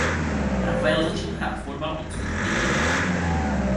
Rafael začal hrát fotbal od svých pěti let.